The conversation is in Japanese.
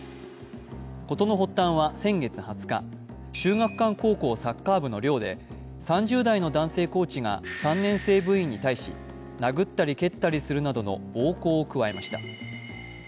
事の発端は、先月２０日、秀岳館高校サッカー部の寮で３０代の男性コーチが３年生部員に対し、殴ったり蹴ったりするなどの暴行を加えました。